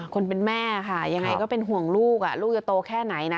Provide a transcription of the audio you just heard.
คนเป็นแม่ค่ะยังไงก็เป็นห่วงลูกลูกจะโตแค่ไหนนะ